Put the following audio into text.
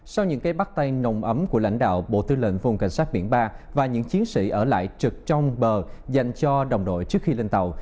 sau những cái bắt tay nồng ấm của lãnh đạo bộ tư lệnh vùng cảnh sát biển ba và những chiến sĩ ở lại trực trong bờ dành cho đồng đội trước khi lên tàu